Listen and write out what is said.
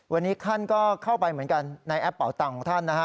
วันนี้ท่านก็เข้าไปเหมือนกันในแอปเป่าตังค์ของท่านนะฮะ